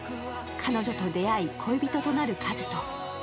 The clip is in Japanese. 彼女と出会い、恋人となる和人。